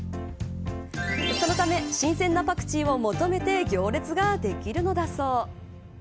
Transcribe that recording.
そのため新鮮なパクチーを求めて行列ができるのだそう。